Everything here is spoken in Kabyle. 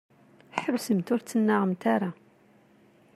Ḥebsemt ur ttnaɣemt ara.